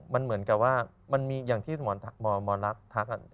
มันเหมือนกับว่ามันมีอย่างที่หมอลักษณ์ทัก